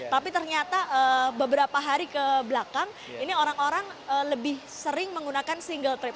tapi ternyata beberapa hari kebelakang ini orang orang lebih sering menggunakan single trip